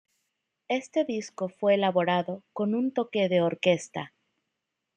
Este disco fue elaborado con un toque de orquesta.